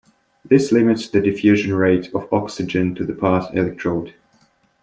This limits the diffusion rate of oxygen to the Part electrode.